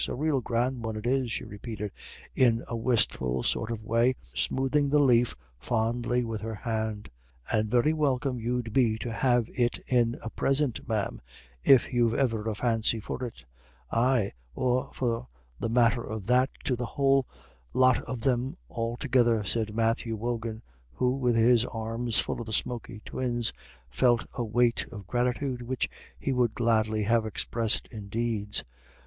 "A rael grand one it is," she repeated, in a wistful sort of way, smoothing the leaf fondly with her hand. "And very welcome you'd be to have it in a prisint, ma'am, if you've e'er a fancy for it; ay, or for the matter of that to the whole lot of them altogether," said Matthew Wogan, who, with his arms full of the smoky twins, felt a weight of gratitude which he would gladly have expressed in deeds.